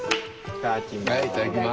いただきます。